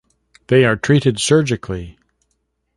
They are treated surgically.